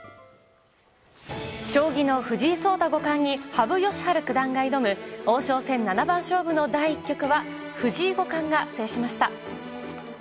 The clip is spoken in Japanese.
将棋の藤井聡太五冠に羽生善治九段が挑む王将戦七番勝負の第１局は藤井五冠が制しました。